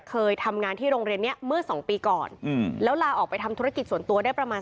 เคยทำงานที่โรงเรียนเนี้ยเมื่อสองปีก่อนอืมแล้วลาออกไปทำธุรกิจส่วนตัวได้ประมาณ